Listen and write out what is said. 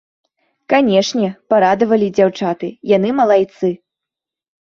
Канешне, парадавалі дзяўчаты, яны малайцы.